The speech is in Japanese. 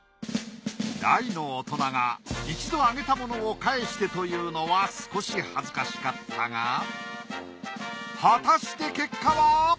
大の大人が一度あげたものを返してと言うのは少し恥ずかしかったが果たして結果は？